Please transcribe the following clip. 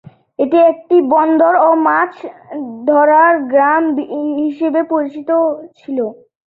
এটি একটি বন্দর ও মাছ ধরার গ্রাম হিসেবে পরিচিত ছিল।